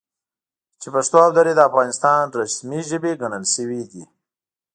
چې پښتو او دري د افغانستان رسمي ژبې ګڼل شوي دي،